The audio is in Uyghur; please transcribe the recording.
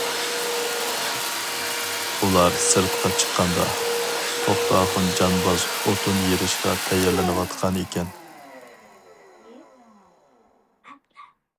ئۇلار سىرتقا چىققاندا، توختاخۇن جانباز ئوتۇن يېرىشقا تەييارلىنىۋاتقان ئىكەن.